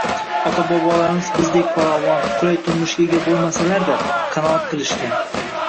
Ota-bobolarimiz bizdek farovon, qulay turmushga ega bo‘lmasalar-da, qanoat qilishgan.